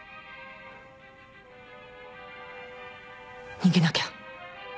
逃げなきゃ。